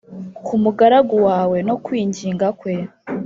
K umugaragu wawe no kwinginga kwe